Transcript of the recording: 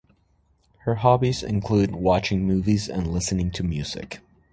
Her hobbies include watching movies and listening to music.